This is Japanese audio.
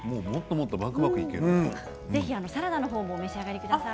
ぜひサラダの方もお召し上がりください。